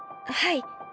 はい。